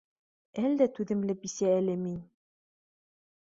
Әлдә түҙемле бисә әле мин